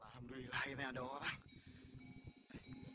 alhamdulillah ini ada orang